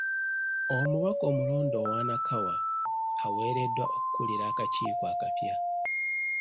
Omubaka omulonde owa Nakawa aweereddwa okukulira akakiiko akapya.